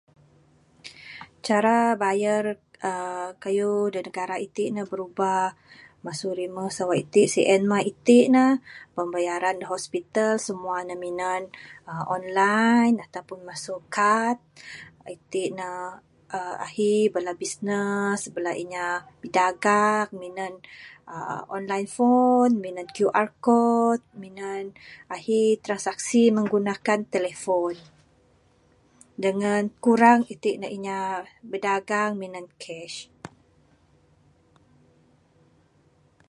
Cara bayar uhh kayuh da negara itin ne birubah masu rimeh sawa itin sien mah itin ne pembayaran da hospital simua ne minan online ataupun masu kad...itin ne ahi bala bisnes bala inya bidagang minan online fon minan qr kod minan ahi transaksi menggunakan telefon...dangan kurang itin ne inya bidagang minan cash.